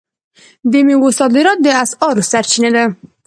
د میوو صادرات د اسعارو سرچینه ده.